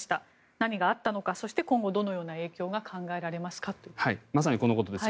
何があったのかそして今後、どのような影響が考えられますかということです。